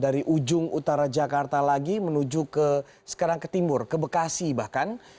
dari ujung utara jakarta lagi menuju ke sekarang ke timur ke bekasi bahkan